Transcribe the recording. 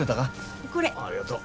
おっありがとう。